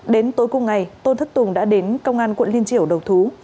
đến tối cuối ngày tôn thất tùng đã đến công an quận liên triều đầu thú